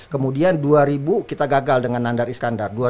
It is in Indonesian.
kemudian dua ribu kita gagal dengan nandar iskandar